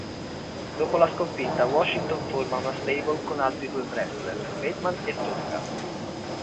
Dopo la sconfitta, Washington forma una stable con altri due wrestler, Bateman e Tonga.